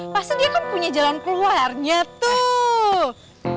pasti dia kan punya jalan keluarnya tuh